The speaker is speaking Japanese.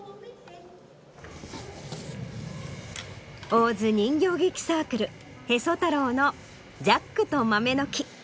大洲人形劇サークル「へそ太郎」の『ジャックと豆の木』